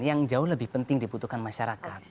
itu penting dibutuhkan masyarakat